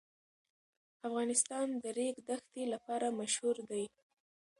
افغانستان د ریګ دښتې لپاره مشهور دی.